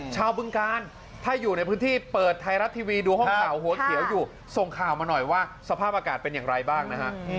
บึงการถ้าอยู่ในพื้นที่เปิดไทยรัฐทีวีดูห้องข่าวหัวเขียวอยู่ส่งข่าวมาหน่อยว่าสภาพอากาศเป็นอย่างไรบ้างนะฮะ